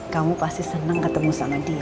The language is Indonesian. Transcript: kamu pasti senang ketemu sama dia